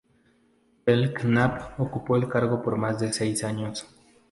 Belknap ocupó el cargo por más de seis años.